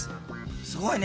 すごいね。